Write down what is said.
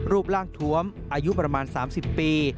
รูปร่างทวมอายุประมาณ๓๐ปี